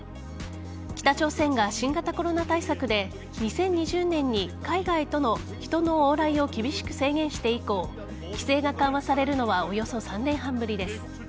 北朝鮮が新型コロナ対策で２０２０年に海外との人の往来を厳しく制限して以降規制が緩和されるのはおよそ３年半ぶりです。